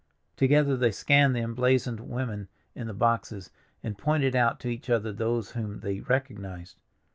Together they scanned the emblazoned women in the boxes, and pointed out to each other those whom they recognized.